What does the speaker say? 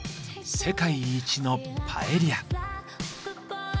「世界一のパエリア」。